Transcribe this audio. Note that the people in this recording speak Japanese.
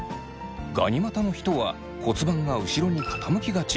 ガニ股の人は骨盤が後ろに傾きがち。